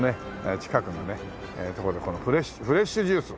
近くのねとこでこのフレッシュジュースを。